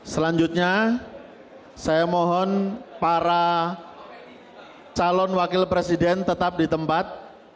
selanjutnya saya mohon para calon wakil presiden tetap di tempat